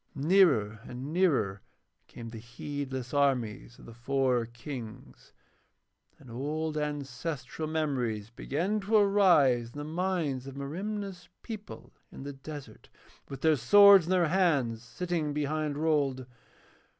Nearer and nearer came the heedless armies of the four Kings, and old ancestral memories began to arise in the minds of Merimna's people in the desert with their swords in their hands sitting behind Rold.